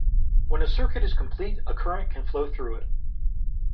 When a circuit is complete a current can flow through it.